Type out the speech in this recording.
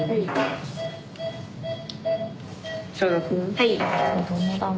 はい。